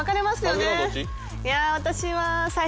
いや私は。